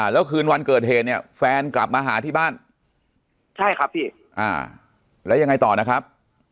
แล้วคืนวันเกิดเหตุเนี่ยแฟนกลับมาหาที่บ้านใช่ครับพี่แล้วยังไงต่อนะครับ